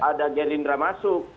ada gerindra masuk